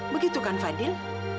begitu kan fadil